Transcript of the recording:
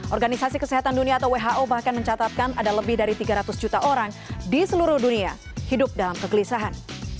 organisasi kesehatan dunia atau who bahkan mencatatkan ada lebih dari tiga ratus juta orang di seluruh dunia hidup dalam kegelisahan